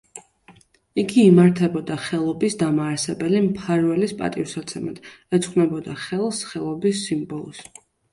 იგი იმართებოდა ხელობის დამაარსებელი მფარველის პატივსაცემად, ეძღვნებოდა ხელს, ხელობის სიმბოლოს.